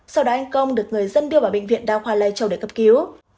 sau đó anh công được người dân đưa vào bệnh viện đa khoa lai châu để cập cứu